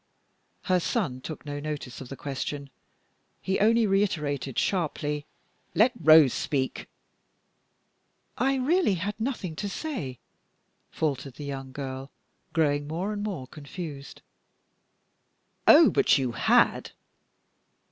Her son took no notice of the question. He only reiterated sharply, "Let Rose speak." "I really had nothing to say," faltered the young girl, growing more and more confused. "Oh, but you had!"